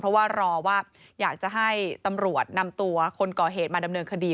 เพราะว่ารอว่าอยากจะให้ตำรวจนำตัวคนก่อเหตุมาดำเนินคดี